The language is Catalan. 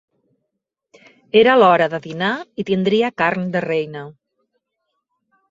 Era l'hora de dinar i tindria carn de reina.